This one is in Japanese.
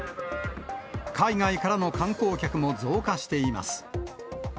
海外からの観光客も増加しています。